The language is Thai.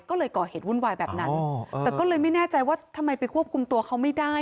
ก็เลยก่อเหตุวุ่นวายแบบนั้นแต่ก็เลยไม่แน่ใจว่าทำไมไปควบคุมตัวเขาไม่ได้